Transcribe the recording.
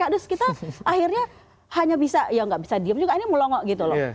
terus kita akhirnya hanya bisa ya nggak bisa diem juga ini melongok gitu loh